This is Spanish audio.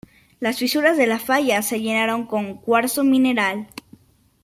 Las fisuras de la falla se llenaron con "cuarzo mineral".